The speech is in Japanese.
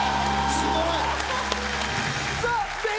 すごい！